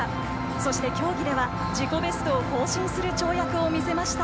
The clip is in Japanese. そして競技では自己ベストを更新する跳躍を見せました。